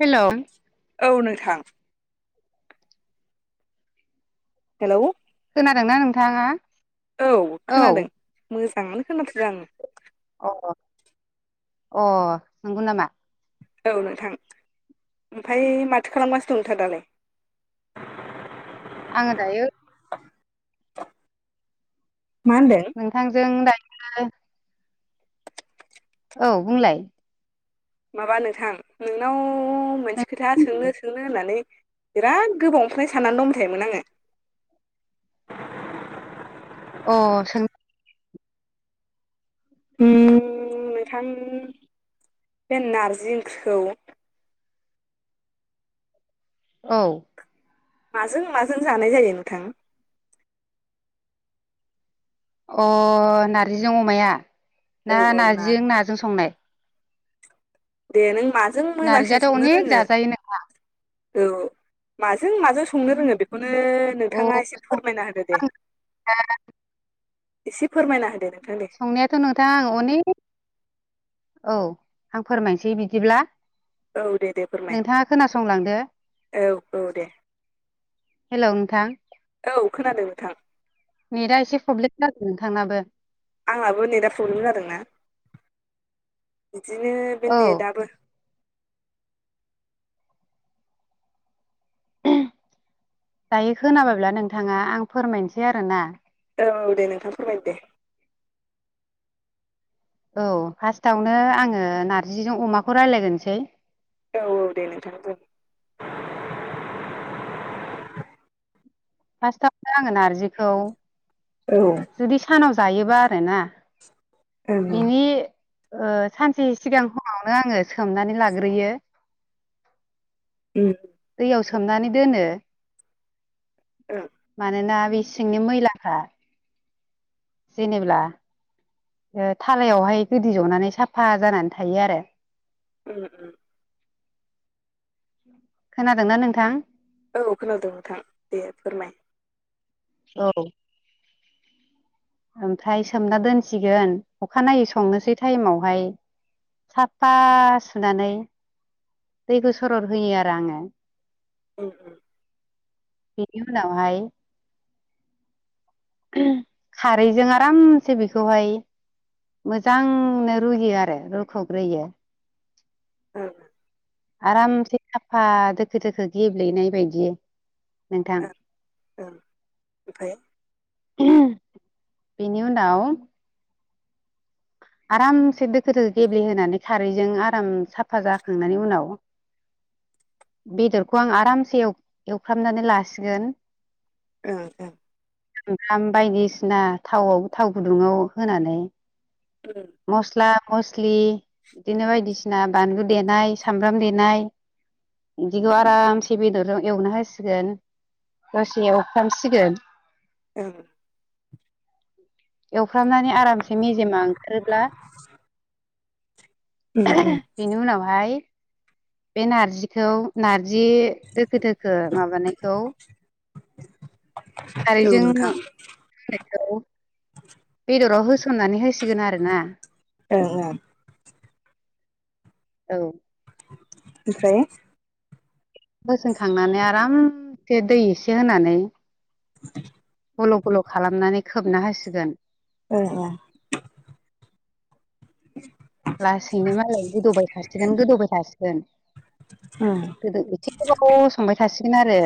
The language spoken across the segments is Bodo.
हेलौ। औ नोंथां। हेलौ। खोनादोंना नोंथाङा? औ खोनादों मोजाङानो खोनाथारा आङो। अ अ नंगौ नामा? औ नोंथां। ओमफाय माथो खालामगासिनो दं नोंथाङा दालाय? आङो दायो मा होनदों नोंथांजों दायो औ बुंलाय माबा नोंथां नोंनाव मोनसे खोथा सोंनो अ सोंनो होननानै बिराद गोबावनिफ्रायनो साननानै दंबायथायोमोन आङो। अ सों। उम नोंथां बे नारजि ओंख्रिखौ औ। माजों माजों जानाय जायो नोंथां? अ नारजिजों अमाया औ ना औ नार्जिजों नाजों संनाय? दे नों माजों मोजांसिन नारजियाथ' संनो अनेक रोङो जाजायो नो औ मा जों माजों संनो रोङो बेखौनो नोंथाङा एसे अ फोरमायना होदो दे। एसे फोरमायना होदो। नोंथां दे संनायाथ' नोंथां आङो अनेक औ आं फोरमायनोसै बिदिब्ला औ दे दे फोरमाय नोंथाङा खोनासंलांदो औ औ दे। हेलौ नोंथां औ खोनादों नोंथां। नेटा एसे प्रब्लेम जादों नोंथांनाबो। आंहाबो नेटआ प्रब्लेम जादोंना। बिदिनो बे औ नेटयाबो दायो खोनाबायब्ला नोंथाङा आं फोरमायनोसै आरोना। औ दे नोंथां फोरमाय दे। औ फार्स्टावनो आङो नारजिजों अमाखौ रायलायगोरसै। औ औ दे नोंथां। [inaudible] फार्स्टआवनो आङो नारजिखौ औ ओं जुदि सानाव जायोबा आरोना। उम ओं बिनि ओ सानसे सिगां समनावनो आङो सोमनानै लाग्रोयो। उम याव सोमनानै दोनो। मानोना बे सिंनि मैलाफ्रा जेनेब्ला ओ थालायावहाय गोदि जनानै साफा जानानै थायो आरो। उम‌ उम। खोनादोंना नोंथां? औ खोनादों नोंथां दे फोरमाय। औ ओमफ्राय सोमना दोनसिगोन अखानायै संनोसै टाइमावहाय साफा सुनानै दैखौ सरद होयो आरो आङो। उम उम। बि उनावहाय खारैजों आरामसे बेखौहाय मोजांनो रुयो आरो रुखग्रोयो। ओं आरामसे साफा दोखो दोखो गेब्लेनाय बायदि। नोंथां [unintelligible] बिनि उनाव आरामसे दोखो दोखो गेब्लेहोनानै खारैजों आराम साफा जाखांनानै उनाव। बेदरखौ आं आरामसे एवफ्रामनानै लासिगोन। ओ ओ ओखाम बायदिसिना थावआव थाव गुदुङाव होनानै ओं मस्ला मस्लि बिदिनो बायदिसिना बिसिना बानलु देनाय सामब्राम देनाय। बिदिखौ आरामसे बेदरजों एवनो होसिगोन। दसेयाव एवफ्रामसिगोन। ओ एवफ्रामनानै आरामसे मेजेमा ओंखारोब्ला उम बेनि उनावहाय बे नारजिखौ नारजि दोखो दोखो माबानायखौ औ खारैजों नोंथां नायखौ'औ बेदराव होसननानै होसिगोन आरो ना। ओं ओं औ ओमफ्राय बोसोनखांनानै आरामसे दै एसे होनानै [inaudible] गल' गल' खालामनानै खोबना होसिगोन। ओ ए [inaudible] लासैनो मालाय गोदौबाय थासिगोन गोदौबाय थासिगोन ओं गोदो एथिं गोबाव संबाय थासिगोन आरो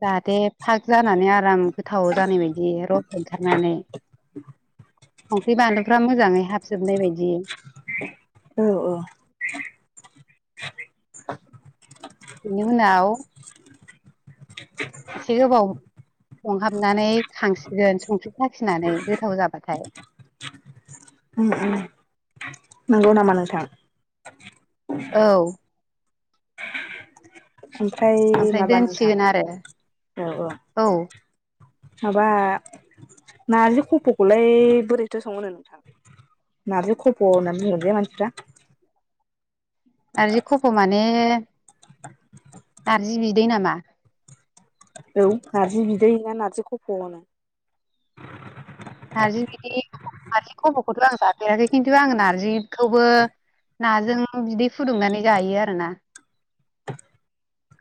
जाहाथे फाग जानानै आराम गोथाव जानाय बायदि रस ओंखारनानै संख्रि बानलुफ्रा मोजाङै हाबजोबनाय बायदि औ औ बेनि उनाव एसे गोबाव संहाबनानै खांसिगोन संख्रि साखिनानै गोथाव जाबाथाय उम उम नंगौ नामा नोंथां औ ओमफ्राय ओमफ्राय माबा नोंथां दोनसिगोन आरो औ औ माबा नारजि खफ'खौलाय बोरैथो सङो नोंथां नारजि खफ' होननानै बुङो जे मानसिफ्रा नारजि खफ' माने नारजि बिदै नामा औ नारजि बिदै ना नारजि खफ'होनो नारजि बिदि नारजि खब'खौथ' आं जाफेराखै खिन्थु आङो नारजिखौबो नाजों बिदै फुदुंनानै जायो आरोना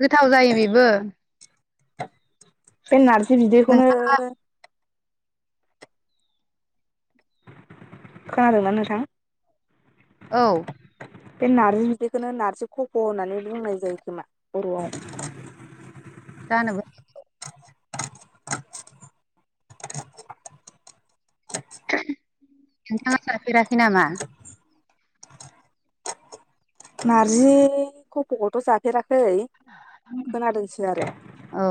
गोथाव जायो बेबो बे नारजि बिदैखौनो नोंहा खोनादोंना नोंथां औ बे नार्जि बिदैखौनो नारजि खफ' होननानै बुंनाय जायो खोमा बर'आव जानोबो हागौ नोंथाङा जाफेराखै नामा? नारजि खफ'खौथ' जाफेरा खै खोनादोंसो आरो औ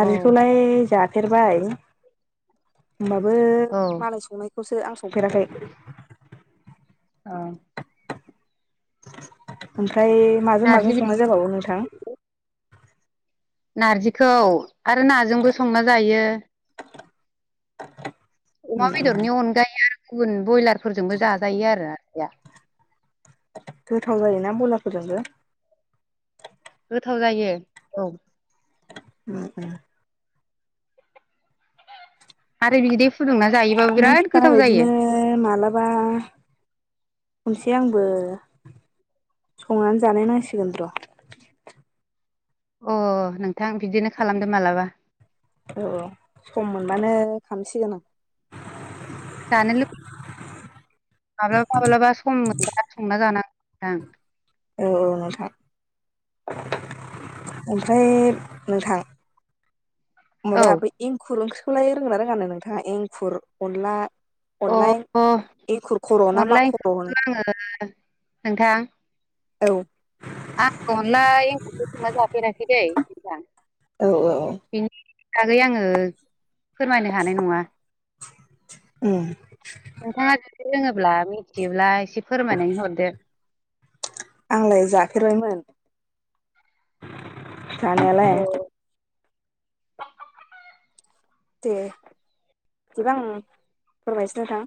औ जाफेरबाय होनबाबो औ मालाय संनायखौसो आं संफेराखै औ ओमफ्राय माजों माजों नारजि संनाय जाबावो नोंथां नारजिखौ आरो नाजोंबो संना जायो [inaudible] अमा उम उम बेदरनि अनगायै आरो गुबुन ब्रयलारफोरजोंबो जाजायो आरो गोथाव जायोना ब्रयलारफोरजोंबो गोथाव जायो औ [inaudible] आरो बिदै फुदुंना जायोबाबो नों बिराद खिथानाय गोथाव जायो बादिनो मालाबा संसै आंबो संनानै जानाय नांसिगोन र' अ नोंथां बिदिनो खालामदो मालाबा औ सम मोनबानो खालामसिगोन आं जानो लुबैब्ला माब्लाबा माब्लाबा सम मोनबा संना जानांगौ नोंथां औ औ नोंथां ओमफ्राय नोंथां औ माबा बे एंखुर ओंख्रिखौलाय रोङोना रोङानो नोंथाङा एंखुर अनला अ अनला एंखुर खर' ना मा अनला खर' होनो एंखुरखौ आङो नोंथां औ आंखौ अनला एंखुरखौ संना जाफेराखै दै [unintelligible] औ औ आगै आङो फोरमायनो हानाय नङा उम नोंथाङा जुदि रोङोब्ला मिनथियोब्ला एस से फोरमायनानै हरदो आंलाय जाफेरबायमोन जानायालाय औ दे बिदिबा आं फोरमायनोसै नोंथां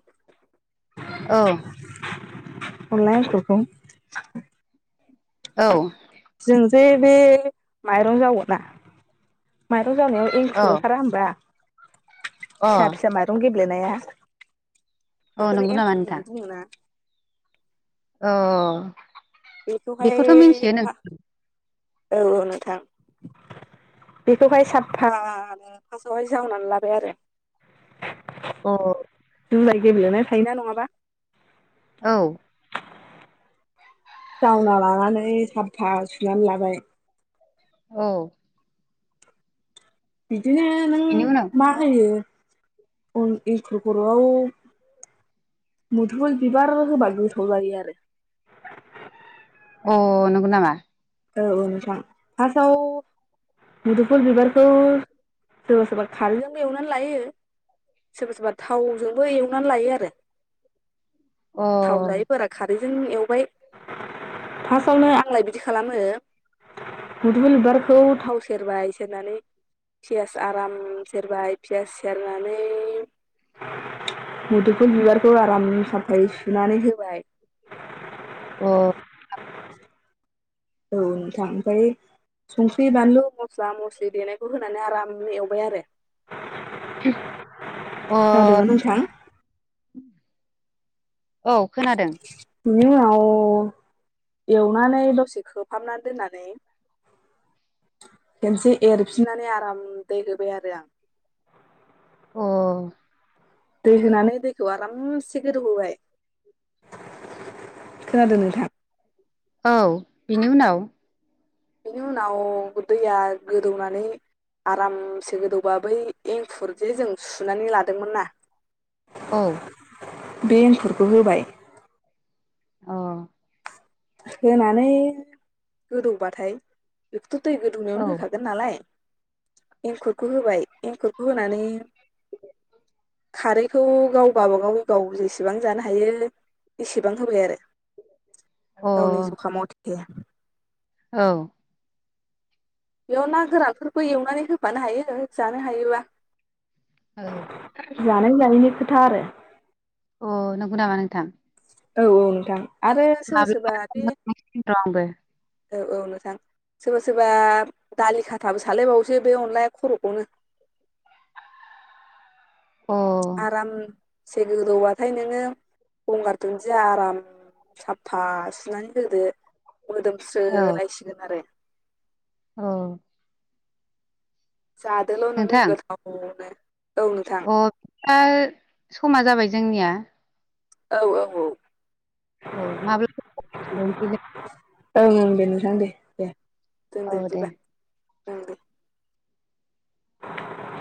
औ अनला एंखुरखौ औ ओइ बे माइरं जावोना माइरं जावनायाव एंखुर ओंखारा होमबा अ फिसा फिसा माइरं गेब्लेनाया औ बेखोनो नंगौ नामा एंखुर नोंथां? होननानै बुङो ना अ बेखौहाय बेखौथ' मिन्थियो नों [unintelligible] औ औ नोंथां बेखौहाय साबफानो फार्स्टआवहाय जावनानै लाबाय आरो अ जुजाय गेब्लेनाय थायोना नङाबा औ जावना लानानै साबफा सुनानै लाबाय औ दिनो नों बेनि उनाव मा होयो अन इंखुर खर'आव मुदुफुल बिबार होबा गोथाव जायो आरो अ नंगौ नामा औ औ नोंथां फासाव मुदुफुल बिबारखौ सोरबा सोरबा खारैजोंबो एवनानै लायो सोरबा सोरबा थावजोंबो एवनानै लायो आरो अ थाव जायै फोरा खारैजों एवबाय फासावनो आंलाय बिदिख खालामो मुदुफुल बिबारखौ थाव सेरबाय सेरनानै फियास आराम सेरबाय पियास सेरनानै। मुदुफुल बिबारखौ आराम साफायै सुनानै होबाय। अ [inaudible] औ नोंथां ओमफाय संख्रि बानलु मस्ला मस्लि देनायखौ होनानै आरामनो एवबाय आरो। अ खोनादोंना नोंथां औ खोनादों। नि उनाव एवनानै दसे खोहाबना दोननानै। खेनसे एरफिननानै आराम दैै होबाय आरो आं। अ दै होनानै दैखौ आरामसे गोदौहोबाय। खोनादों नोंथां। औ बिनि उनाव बेनि उनाव दैया गोदौनानै आरामसे गोदौबा बै एंखुर जे जों सुनानै लादोंमोन ना औ बे एंखुरखौ होबाय। अ होनानै गोदौबाथाय बेख [unintelligible] दै औ गोदौनायावनो होखागोन नालाय एंखुरखौ होबाय एंखुरखौ होनानै। खारैखौ गाव गबागाव गाव जेसेबां जानो हायो। बेसेबां होबाय आरो। [inaudible] गावनि जुखामते। औ। बेयाव ना गोरानफोरखौ एवनानै होफानो हायो जानो हायोबा। औ जानाय जायैनि खोथा आरो। अ नंगौ नामा नोंथां? औ औ नोंथां आरो सोरबा माब्लाबा सोरबा र' बे आंबो औ औ नोंथां सोरबा सोरबा दालि खाथाबो सलायबावसो बे अनलाया खर खौनो। [inaudible] अ औ आरामसे गोदौबाथाय नोङो। गंगार दुनजिया आराम साफफा सुनानै होदो। मोदोमस्रोलायसिगोन आरो। औ जादोल नोङो नोंथां गोथावनो। औ नोंथां अ दा समा जाबाय जोंनिया। औ औ औ औ माब्ला [unintelligible] ओं ओं दे नोंथां दे दे दोनदो औ दे। बिदिबा ओं दे [inaudible]